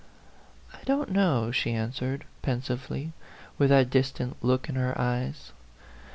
" I don't know," she answered, pensively, with that distant look in her eyes.